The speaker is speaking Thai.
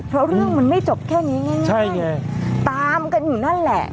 เพราะเรื่องมันไม่จบแค่นี้ไงใช่ไงตามกันอยู่นั่นแหละ